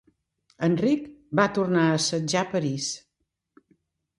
Enric va tornar a assetjar París.